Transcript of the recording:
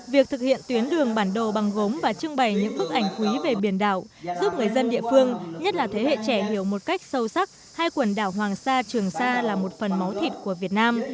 việc thực hiện tuyến đường bản đồ bằng gốm và trưng bày những bức ảnh quý về biển đảo giúp người dân địa phương nhất là thế hệ trẻ hiểu một cách sâu sắc hai quần đảo hoàng sa trường sa là một phần máu thịt của việt nam